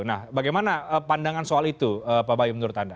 nah bagaimana pandangan soal itu pak bayu menurut anda